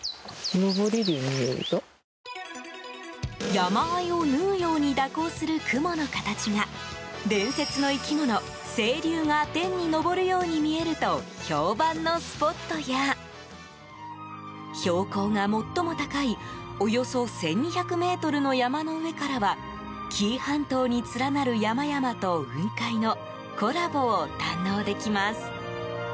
山あいを縫うように蛇行する雲の形が伝説の生き物、青龍が天に昇るように見えると評判のスポットや標高が最も高いおよそ１２００ｍの山の上からは紀伊半島に連なる山々と雲海のコラボを堪能できます。